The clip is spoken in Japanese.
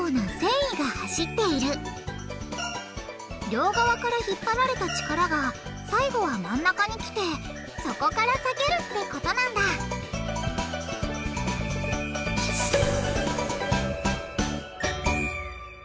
両側からひっぱられた力が最後は真ん中に来てそこから裂けるってことなんだえ？